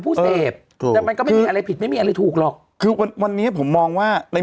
ผู้เสพถูกแต่มันก็ไม่มีอะไรผิดไม่มีอะไรถูกหรอกคือวันวันนี้ผมมองว่าใน